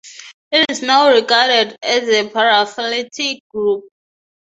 It is now regarded as a paraphyletic group.